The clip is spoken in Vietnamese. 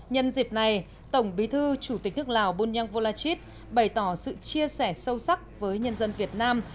nhân dịp này tổng bí thư chủ tịch nước lào bunyang volachit bày tỏ sự chia sẻ sâu sắc với nhân dân việt nam